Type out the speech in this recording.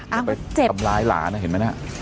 อ้างความเจ็บ